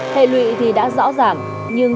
hệ lụy thì đã rõ ràng